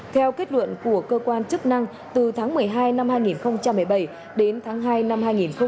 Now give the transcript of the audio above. theo kết luận của cơ quan chức năng từ tháng một mươi hai năm hai nghìn một mươi bảy đến tháng hai năm hai nghìn một mươi chín